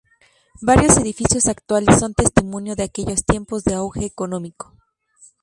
Varios edificios actuales son testimonio de aquellos tiempos de auge económico.